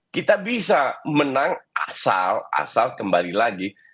kita bisa menang asal asal kembali lagi